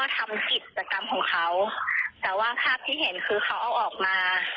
แต่ว่าภาพที่เห็นคือเขาเอาออกมา